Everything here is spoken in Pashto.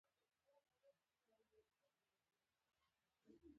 مصؤنو اوبو ته لاسرسی نه لري.